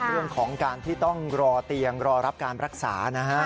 เรื่องของการที่ต้องรอเตียงรอรับการรักษานะฮะ